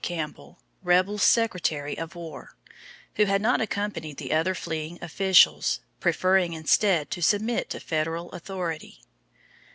Campbell, rebel Secretary of War, who had not accompanied the other fleeing officials, preferring instead to submit to Federal authority.